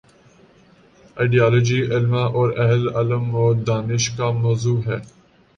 Ideology, علما اور اہل علم و دانش کا موضوع ہے۔